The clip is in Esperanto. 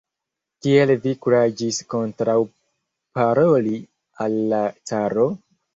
Kiel vi kuraĝis kontraŭparoli al la caro?